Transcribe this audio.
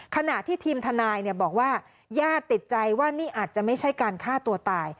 ขณะที่ทีมทนายบอกว่าญาติติดใจว่านี่อาจจะไม่ใช่การฆ่าตัวตาย